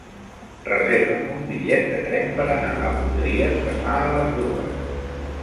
Reserva'm un bitllet de tren per anar a Potries demà a les dues.